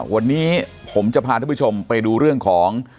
วันนี้ผมจะพาทุกผู้ชมไปดูเรื่องของ